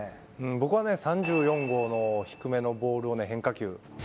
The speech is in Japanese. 僕は３４号の低めのボールの変化球。